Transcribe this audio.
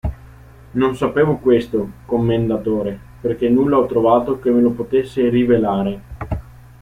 Non sapevo questo, commendatore, perché nulla ho trovato che me lo potesse rivelare.